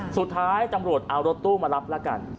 สุดท้ายตำรวจเอารถตู้มารับแล้วกัน